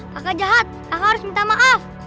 kakak jahat kakak harus minta maaf